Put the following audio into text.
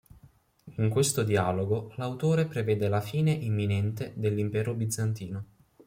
In questo dialogo l'autore prevede la fine imminente dell'impero bizantino.